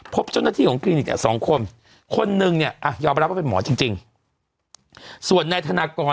พบจ้อนาทีของกรินิท